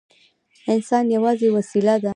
انسان یوازې وسیله ده.